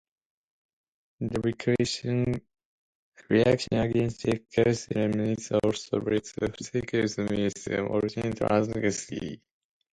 The reaction against Eutychianism also led to the schism with Oriental Orthodoxy.